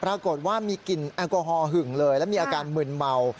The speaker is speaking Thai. ปรากฏว่ามีกลิ่นแอลกอฮอลหึงเลยแล้วมีอาการมึนเมา